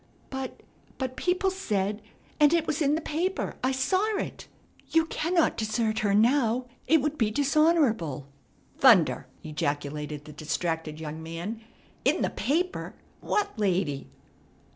"But but people said and it was in the paper, I saw it. You cannot desert her now; it would be dishonorable." "Thunder!" ejaculated the distracted young man. "In the paper! What lady?"